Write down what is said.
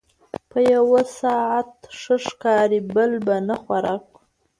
ـ يو په سعت ښه ښکاري بل په نه خوراک